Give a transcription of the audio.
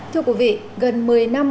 thưa quý vị gần một mươi năm